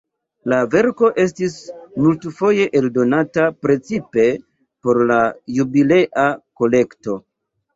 La verko estis multfoje eldonata, precipe por la Jubilea Kolekto.